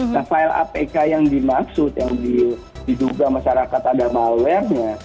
nah file apk yang dimaksud yang diduga masyarakat ada malware nya